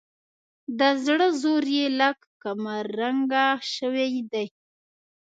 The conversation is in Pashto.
د زړه زور یې لږ کمرنګه شوی دی.